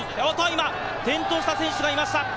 今、転倒した選手がいました。